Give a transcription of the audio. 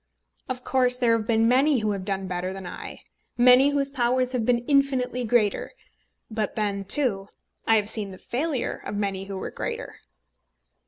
Of course there have been many who have done better than I, many whose powers have been infinitely greater. But then, too, I have seen the failure of many who were greater.